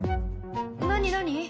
何何？